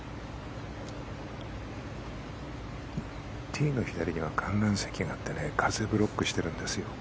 ティーの左には観覧席があって風をブロックしてるんですよ。